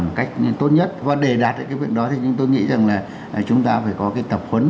và một cách tốt nhất vấn đề đạt cái việc đó thì chúng tôi nghĩ rằng là chúng ta phải có cái tập huấn